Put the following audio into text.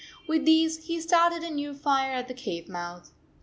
With these he started a new fire at the cave mouth.